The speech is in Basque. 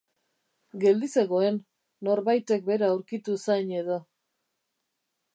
Geldi zegoen, norbaitek bera aurkitu zain edo.